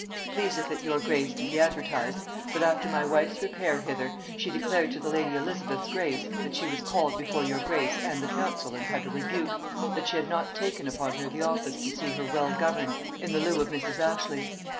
"Pleaseth it your grace to be advertised, that after my wife's repair hither, she declared to the lady Elizabeth's grace, that she was called before your grace and the council and had a rebuke, that she had not taken upon her the office to see her well governed, in the lieu of Mrs. Ashley.